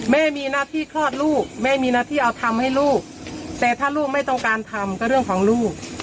แม่มีหน้าที่คลอดลูกแม่มีหน้าที่เอาทำให้ลูกแต่ถ้าลูกไม่ต้องการทำก็เรื่องของลูก